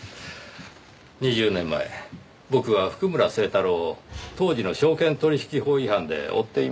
２０年前僕は譜久村聖太郎を当時の証券取引法違反で追っていました。